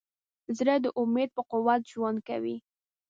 زړه د امید په قوت ژوند کوي.